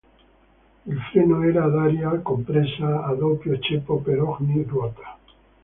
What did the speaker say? Il freno era ad aria compressa a doppio ceppo per ogni ruota.